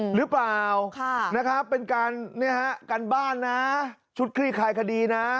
หรือเปล่าเป็นการบ้านชุดคลี่คลายคดี